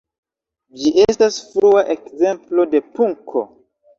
Ĝi estas frua ekzemplo de punko.